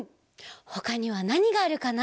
ほかにはなにがあるかな？